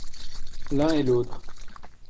l'un et l'autre.